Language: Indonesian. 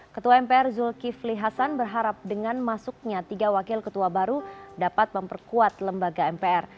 ketua mpr zulkifli hasan berharap dengan masuknya tiga wakil ketua baru dapat memperkuat lembaga mpr